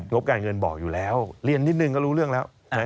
บการเงินบอกอยู่แล้วเรียนนิดนึงก็รู้เรื่องแล้ว